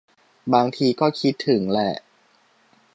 บางทีก็คิดถึงแหละ